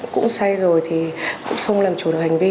cũng say rồi thì cũng không làm chủ được hành vi